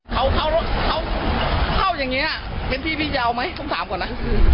เขาเขาเข้าอย่างนี้เป็นพี่พี่ยาวไหมต้องถามก่อนนะ